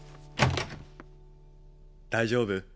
大丈夫？